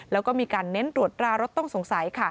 แล้วก็มีการเน้นตรวจรารถต้องสงสัย